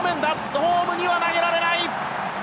ホームには投げられない。